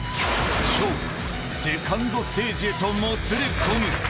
勝負はセカンドステージへともつれ込む。